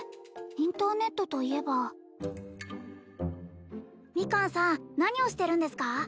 インターネットといえばミカンさん何をしてるんですか？